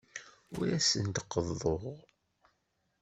Ur asent-d-qeḍḍuɣ.